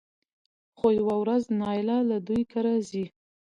خو يوه ورځ نايله له دوی کره ځي